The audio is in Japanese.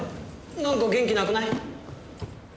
なんか元気なくない？